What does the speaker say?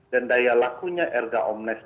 dan daya lakunya erga omnes